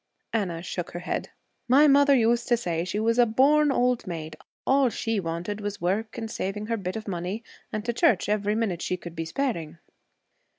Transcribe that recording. Anna shook her head. 'My mother used to say she was a born old maid. All she wanted was work and saving her bit of money, and to church every minute she could be sparing.'